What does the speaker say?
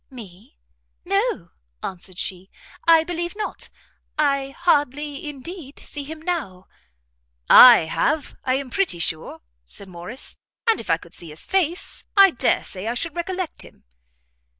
"Me? no," answered she, "I believe not, I hardly indeed, see him now." "I have, I am pretty sure," said Morrice; "and if I could see his face, I dare say I should recollect him."